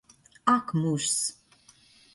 Ak mūžs!